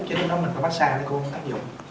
chứ đến đó mình phải massage nó cũng không tác dụng